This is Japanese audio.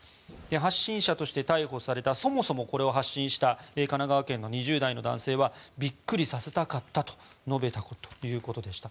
発信者として逮捕されたそもそもこれを発信した神奈川県の２０代男性はビックリさせたかったと述べたということでした。